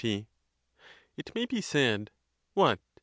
It may be said, What!